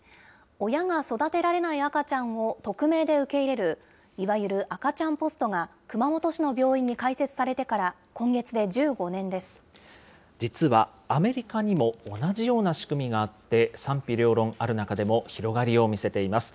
親が育てられない赤ちゃんを匿名で受け入れる、いわゆる赤ちゃんポストが熊本市の病院に開設されてから、今月で実は、アメリカにも同じような仕組みがあって、賛否両論ある中でも広がりを見せています。